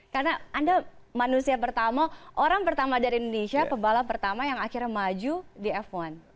karena anda manusia pertama orang pertama dari indonesia pembalap pertama yang akhirnya maju di f satu